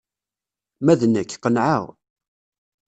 Ma d nekk, qenɛeɣ.